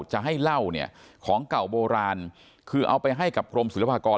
จะให้เหล้าเนี่ยของเก่าโบราณคือเอาไปให้กับกรมศิลปากร